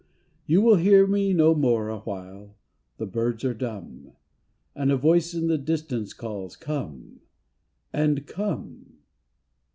You will hear me no more awhile, The birds are dumb, And a voice in the distance calls " Come," and " Come."